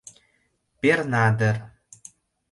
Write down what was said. Перна дыр...